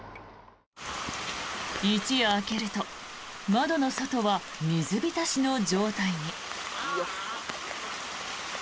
一夜明けると窓の外は水浸しの状態に。